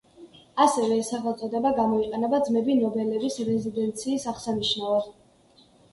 ასევე ეს სახელწოდება გამოიყენება ძმები ნობელების რეზიდენციის აღსანიშნავად.